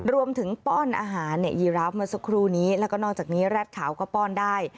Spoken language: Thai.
ป้อนอาหารยีราฟเมื่อสักครู่นี้แล้วก็นอกจากนี้แร็ดขาวก็ป้อนได้